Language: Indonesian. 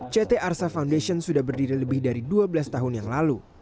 ct arsa foundation sudah berdiri lebih dari dua belas tahun yang lalu